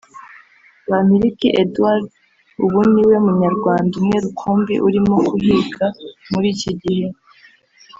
Bampiriki Eduard ubu niwe munyarwanda umwe rukumbi urimo kuhiga muri iki gihe